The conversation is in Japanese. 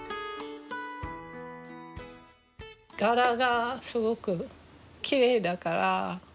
柄がすごくきれいだから。